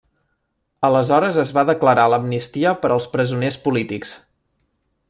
Aleshores es va declarar l'amnistia per als presoners polítics.